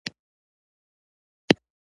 د ډله ییزو رسنیو له لارې د بیان آزادي ده.